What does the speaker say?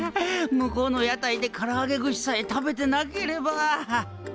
向こうの屋台でからあげ串さえ食べてなければ。